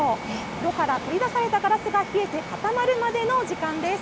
炉から取り出されたガラスが冷えて固まるまでの時間です。